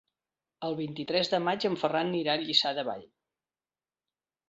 El vint-i-tres de maig en Ferran anirà a Lliçà de Vall.